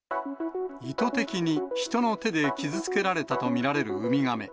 意図的に人の手で傷つけられたと見られるウミガメ。